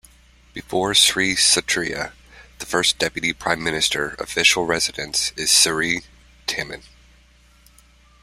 Before Sri Satria, the first Deputy Prime Minister official residence is Seri Taman.